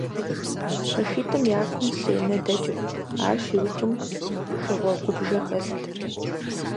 ПэшитӀым я кум сенэ дэкӀырт, ар щиухым шыгъуэгубжэ хэлът.